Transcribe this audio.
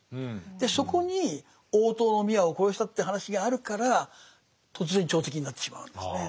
そこに大塔宮を殺したって話があるから突然朝敵になってしまうんですね。